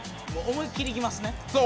思い切りいきますね。